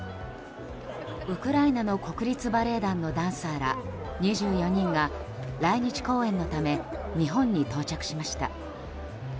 ウクライナの国立バレエ団のダンサーら２４人が来日公演のため日本に到着しました。